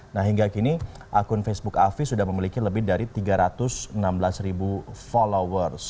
nah hingga kini akun facebook afi sudah memiliki lebih dari tiga ratus enam belas ribu followers